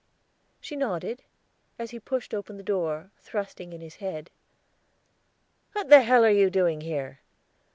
She nodded, as he pushed open the door, thrusting in his head. "What the hell are you doing here?